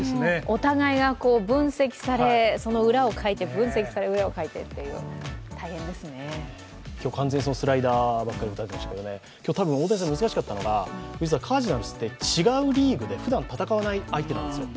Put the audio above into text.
お互いが分析され、その裏をかいて分析されって今日、完全にスライダーでしたが今日多分、大谷さん難しかったのがカージナルスって違うリーグでふだん戦わない相手なんですよ。